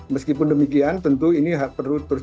meskipun demikian tentu ini perlu terus